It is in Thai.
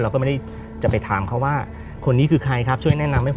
เราก็ไม่ได้จะไปถามเขาว่าคนนี้คือใครครับช่วยแนะนำให้ผม